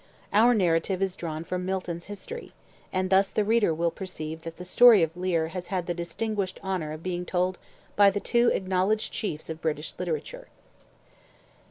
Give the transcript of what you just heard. Our narrative is drawn from Milton's "History;" and thus the reader will perceive that the story of Leir has had the distinguished honor of being told by the two acknowledged chiefs of British literature.